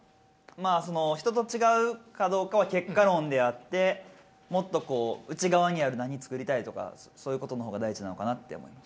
まあその人と違うかどうかは結果論であってもっとこう内側にある何作りたいとかそういうことの方が大事なのかなって思います。